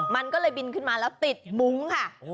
มันก็เลยบินขึ้นมาแล้วติดมุ้งค่ะ